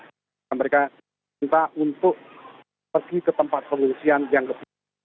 dan mereka minta untuk pergi ke tempat pengusian yang lebih